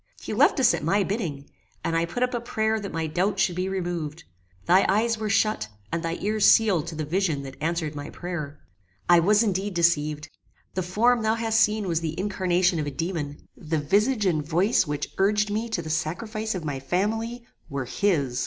He left us at my bidding, and I put up a prayer that my doubts should be removed. Thy eyes were shut, and thy ears sealed to the vision that answered my prayer. "I was indeed deceived. The form thou hast seen was the incarnation of a daemon. The visage and voice which urged me to the sacrifice of my family, were his.